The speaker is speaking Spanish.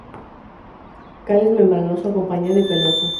Cáliz membranoso, acampanado y peloso.